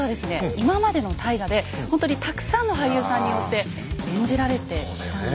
今までの大河でほんとにたくさんの俳優さんによって演じられてきたんですね。